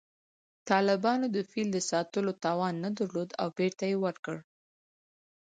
طالبانو د فیل د ساتلو توان نه درلود او بېرته یې ورکړ